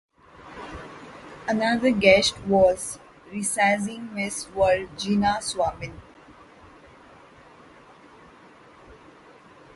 Another guest was the reigning Miss World Gina Swainson.